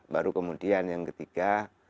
baru kemudian yang ketiga